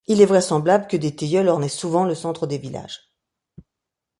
Il est vraisemblable que des tilleuls ornaient souvent le centre des villages.